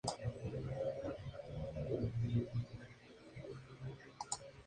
Luego fue contratado por Star Max, una compañía china de espectáculos.